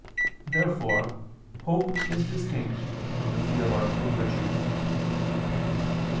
Therefore hope is distinct from the theological virtues.